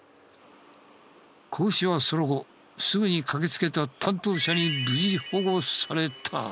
子牛はその後すぐに駆けつけた担当者に無事保護された。